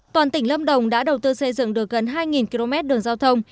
toàn tỉnh lâm đồng đã đầu tư xây dựng được gần hai km đường giao thông